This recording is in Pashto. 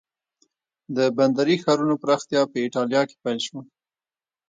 د بندري ښارونو پراختیا په ایټالیا کې پیل شوه.